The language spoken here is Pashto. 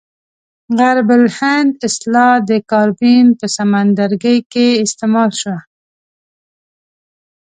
غرب الهند اصطلاح د کاربین په سمندرګي کې استعمال شوه.